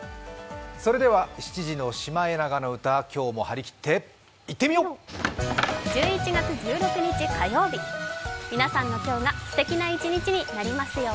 それでは、７時の「シマエナガの歌」今日も張り切って行ってみよう。